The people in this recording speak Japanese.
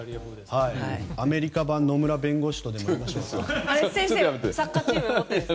アメリカ版、野村弁護士とでもいいましょうか。